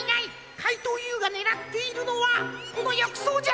かいとうＵがねらっているのはこのよくそうじゃ！